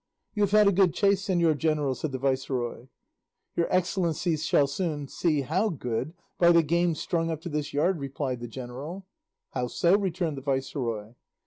"You have had a good chase, señor general," said the viceroy. "Your excellency shall soon see how good, by the game strung up to this yard," replied the general. "How so?" returned the viceroy.